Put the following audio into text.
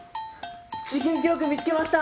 事件記録見つけました。